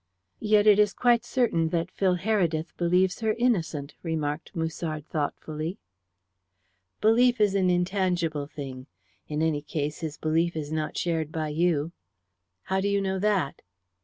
"Yet it is quite certain that Phil Heredith believes her innocent," remarked Musard thoughtfully. "Belief is an intangible thing. In any case, his belief is not shared by you." "How do you know that?"